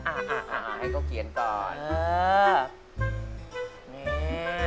อะให้เขาเขียนก่อน